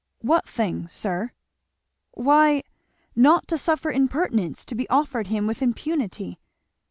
"What thing, sir?" "Why, not to suffer impertinence to be offered him with impunity."